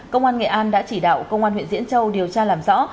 công an nghệ an đã chỉ đạo công an huyện diễn châu điều tra làm rõ